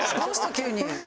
急に。